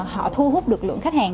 họ thu hút được lượng khách hàng